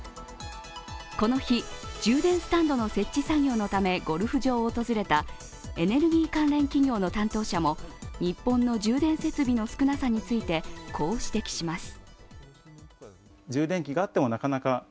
この日、充電スタンドの設置作業のためゴルフ場を訪れたエネルギー関連企業の担当者も、日本の充電設備の少なさについて、こう指摘します。